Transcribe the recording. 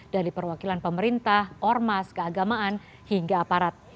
dari perwakilan pemerintah ormas keagamaan hingga aparat